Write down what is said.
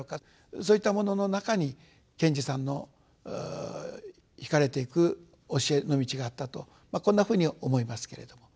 そういったものの中に賢治さんのひかれていく教えの道があったとこんなふうに思いますけれども。